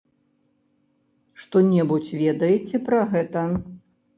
Што-небудзь ведаеце пра гэта?